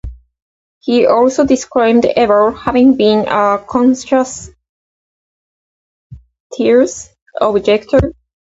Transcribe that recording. He also disclaimed ever having been a conscientious objector.